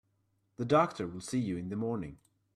The doctor will see you in the morning.